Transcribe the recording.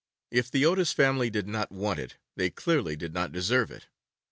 If the Otis family did not want it, they clearly did not deserve it.